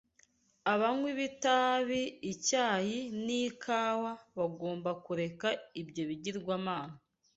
Abanywi b’itabi, icyayi, n’ikawa bagomba kureka ibyo bigirwamana